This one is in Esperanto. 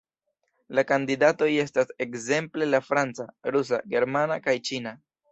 La kandidatoj estas ekzemple la franca, rusa, germana kaj ĉina.